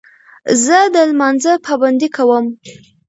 زه د لمانځه پابندي کوم.